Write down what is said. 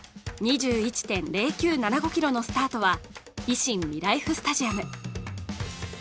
２１．０９７５ｋｍのスタートは維新みらいふスタジアム。